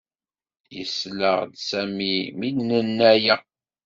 Yeslaɣ-d Sami mi d-nenna aya.